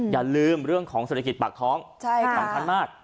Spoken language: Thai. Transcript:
อย่าลืมเรื่องของเศรษฐกิจปากท้องสำคัญมาก